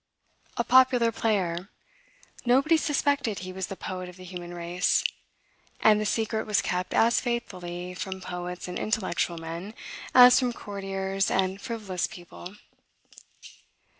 A popular player, nobody suspected he was the poet of the human race; and the secret was kept as faithfully from poets and intellectual men, as from courtiers and frivolous people.